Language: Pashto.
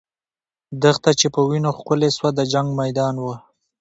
دښته چې په وینو ښکلې سوه، د جنګ میدان وو.